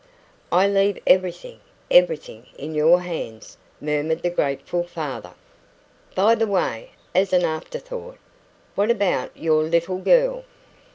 "I leave everything everything, in your hands," murmured the grateful father. "By the way" as an after thought "what about your little girl?"